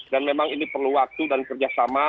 dan memang ini perlu waktu dan kerjasama